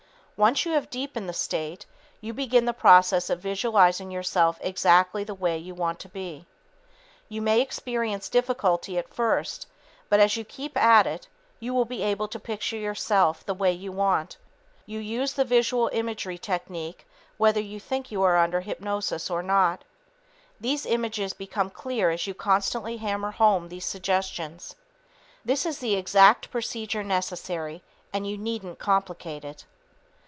Once you have deepened the state, you begin the process of visualizing yourself exactly the way you want to be. You may experience difficulty at first, but as you keep at it, you will be able to picture yourself the way you want. You use the visual imagery technique whether you think you are under hypnosis or not. These images become clear as you constantly hammer home these suggestions. This is the exact procedure necessary, and you needn't complicate it.